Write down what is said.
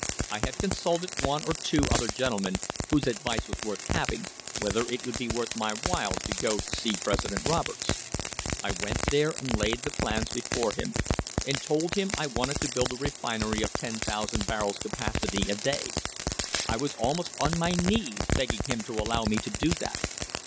I had consulted I one or two other gentlemen, whose advice was worth having, whether it would be ] worth my while to go to see President Roberts. I went there and laid the plans before I him, and told him I wanted to build a refinery of 10,000 barrels capacity a day. I was almost on my knees begging him to allow me to do that.